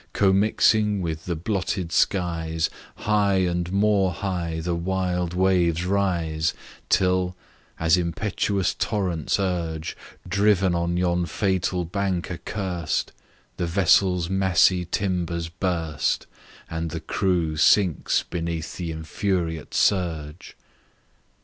Commixing with the blotted skies, High and more high the wild waves rise, Till, as impetuous torrents urge, Driven on yon fatal bank accursed The vessel's massy timbers burst, And the crew sinks beneath the infuriate surge.